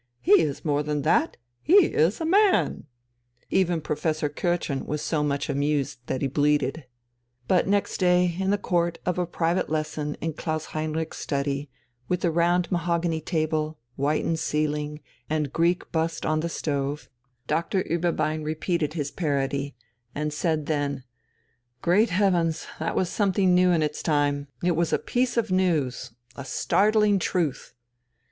"He is more than that, he is a man!" Even Professor Kürtchen was so much amused that he bleated. But next day, in the course of a private lesson in Klaus Heinrich's study, with the round mahogany table, whitened ceiling, and Greek bust on the stove, Doctor Ueberbein repeated his parody, and said then: "Great heavens, that was something new in its time, it was a piece of news, a startling truth!